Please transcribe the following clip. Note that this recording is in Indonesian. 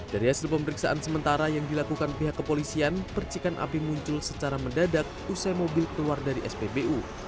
dari hasil pemeriksaan sementara yang dilakukan pihak kepolisian percikan api muncul secara mendadak usai mobil keluar dari spbu